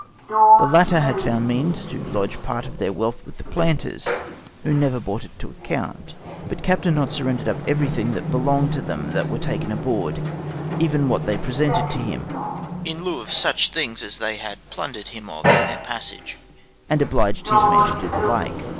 The latter had found means to lodge part of their wealth with the planters, who never brought it to account. But Captain Knot surrendered up everything that belonged to them that were taken aboard, even what they presented to him, in lieu of such things as they had plundered him of in their passage, and obliged his men to do the like.